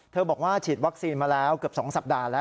บอกว่าฉีดวัคซีนมาแล้วเกือบ๒สัปดาห์แล้ว